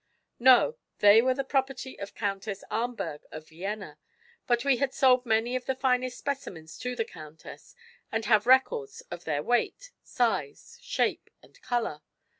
"No. They were the property of Countess Ahmberg, of Vienna. But we had sold many of the finest specimens to the countess and have records of their weight, size, shape and color.